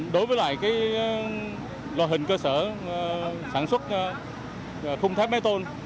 đối với loại hình cơ sở sản xuất khung tháp máy tôn